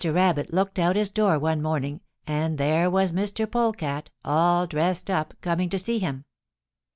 Rabbit looked out his door one morning and there was Mr. Polecat, all dressed up, coming to see him.